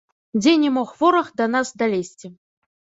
Дзе не мог вораг да нас далезці.